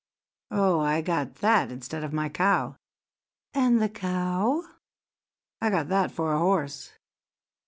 "Oh, I got that instead of my cow." "And the cow?" "I got that for a horse."